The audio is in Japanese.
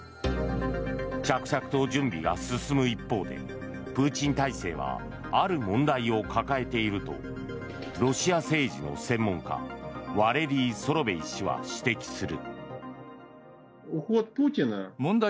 着々と準備が進む一方でプーチン体制はある問題を抱えているとロシア政治の専門家ワレリー・ソロベイ氏は指摘する。